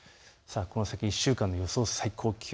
この先、１週間の予想最高気温。